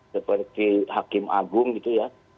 seperti hakim agung gitu ya